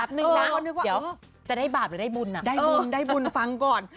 สักนึงนะจะได้บาปหรือได้บุญน่ะเออได้บุญได้บุญฟังก่อน